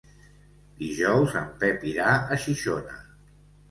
Dijous en Pep irà a Xixona.